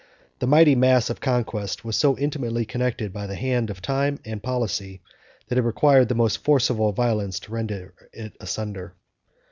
The mighty mass of conquest was so intimately united by the hand of time and policy, that it required the most forcible violence to rend it asunder.